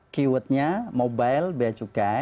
keywordnya mobile beacukai